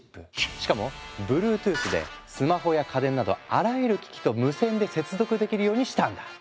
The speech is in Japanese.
しかもＢｌｕｅｔｏｏｔｈでスマホや家電などあらゆる機器と無線で接続できるようにしたんだ。